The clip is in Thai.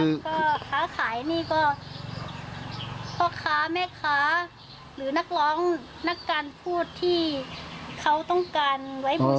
แล้วก็ค้าขายนี่ก็พ่อค้าแม่ค้าหรือนักร้องนักการพูดที่เขาต้องการไว้บู